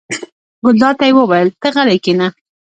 ګلداد ته یې وویل: ته غلی کېنه.